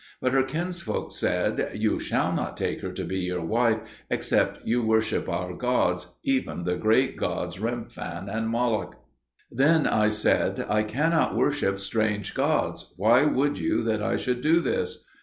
But her kinsfolk said, "You shall not take her to be your wife except you worship our gods, even the great gods Remphan and Moloch." Then I said, "I cannot worship strange gods; why would you that I should do this?"